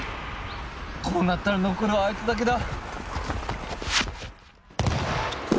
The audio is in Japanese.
こうなったら残るはあいつだけだ。